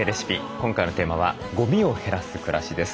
今回のテーマは「ゴミを減らす暮らし」です。